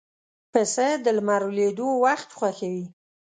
پسه د لمر لوېدو وخت خوښوي.